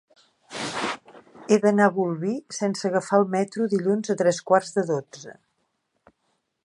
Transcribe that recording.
He d'anar a Bolvir sense agafar el metro dilluns a tres quarts de dotze.